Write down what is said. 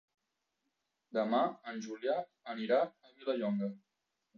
Demà en Julià anirà a Vilallonga.